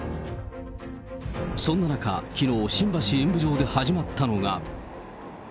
そんな中、きのう、新橋演舞場で始まったのが。